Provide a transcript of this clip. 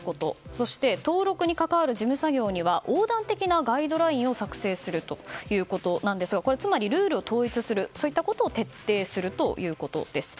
更に登録に関わる事務作業に横断的なガイドラインを作成するということなんですがつまり、ルールを統一するといったことを徹底するということです。